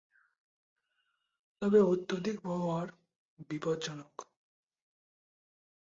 তবে অত্যধিক ব্যবহার বিপজ্জনক।